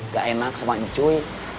gak enak sama cuy